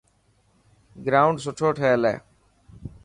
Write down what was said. گرائونڊ سٺو ٺهيل هي.